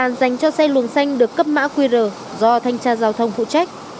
một làn dành cho xe luồng xanh được cấp mã qr do thanh tra giao thông phụ trách